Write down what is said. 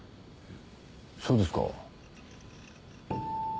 そうですか。